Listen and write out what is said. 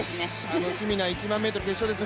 楽しみな１００００ｍの決勝です。